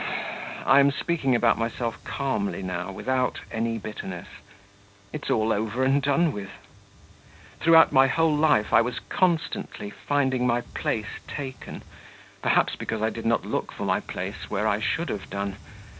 I am speaking about myself calmly now, without any bitterness.... It's all over and done with! Throughout my whole life I was constantly finding my place taken, perhaps because I did not look for my place where I should have done.